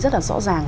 rất là rõ ràng